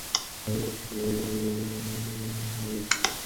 আমি মিডল স্কুলে নাকলস নামে একটা বাচ্চাকে চিনতাম।